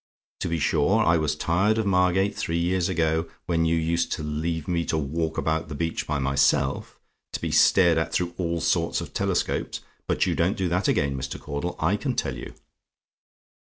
To be sure, I was tired of Margate three years ago, when you used to leave me to walk about the beach by myself, to be stared at through all sorts of telescopes. But you don't do that again, Mr. Caudle, I can tell you.